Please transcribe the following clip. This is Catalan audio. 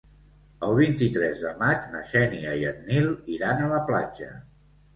El vint-i-tres de maig na Xènia i en Nil iran a la platja.